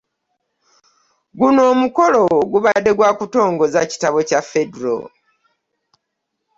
Guno omukolo gubadde gwa kutongoza kitabo Kya ffedero